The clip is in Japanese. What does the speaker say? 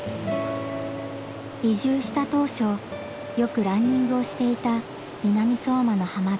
移住した当初よくランニングをしていた南相馬の浜辺。